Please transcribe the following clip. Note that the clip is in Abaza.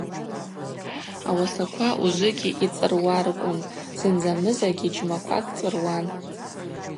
Ауасаква ужвыгьи йцӏыруаркӏвун, зынзамызагьи джьмаквакӏ цӏыруан.